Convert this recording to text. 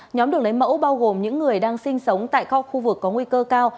nhóm được lấy mẫu bao gồm những người đang sinh sống tại kho khu vực có nguy cơ cao